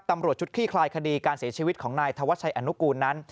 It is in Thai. ตำรวจชุดคลี่คลายคดีการเสียชีวิตของนายธวัชชัยอนุกูลนั้น